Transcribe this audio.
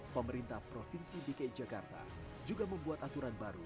pemerintah provinsi dki jakarta juga membuat aturan baru